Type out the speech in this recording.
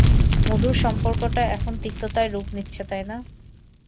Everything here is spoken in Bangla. মধুর সম্পর্কটা এখন তিক্ততায় রূপ নিচ্ছে, তাই না?